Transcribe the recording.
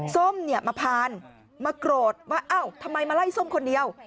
ส้มมาพานมาโกรธว่าทำไมมาไล่ส้มคนเดียว